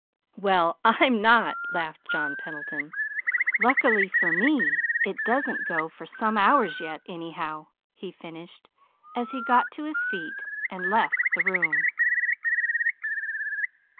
"Well, I'm not," laughed John Pendleton. "Luckily for me it doesn't go for some hours yet, anyhow," he finished, as he got to his feet and left the room.